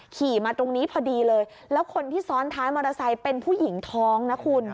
ขี่มาตรงนี้พอดีเลยแล้วคนที่ซ้อนท้ายมอเตอร์ไซค์เป็นผู้หญิงท้องนะคุณ